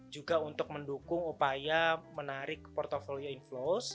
juga untuk mendukung upaya menarik portasi uang